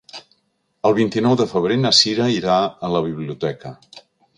El vint-i-nou de febrer na Sira irà a la biblioteca.